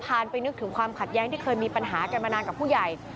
อันนี้เรื่องส่วนตัวของเขาผมไม่รู้